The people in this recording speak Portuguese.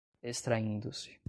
extraindo-se